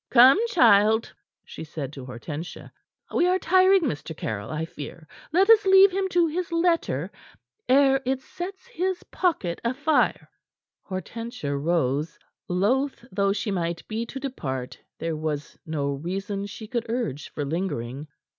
"Come, child," she said to Hortensia. "We are tiring Mr. Caryll, I fear. Let us leave him to his letter, ere it sets his pocket afire." Hortensia rose. Loath though she might be to depart, there was no reason she could urge for lingering.